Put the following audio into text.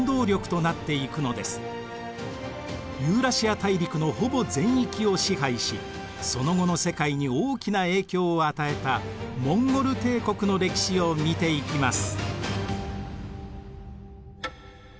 ユーラシア大陸のほぼ全域を支配しその後の世界に大きな影響を与えたモンゴル帝国の歴史を見ていきます。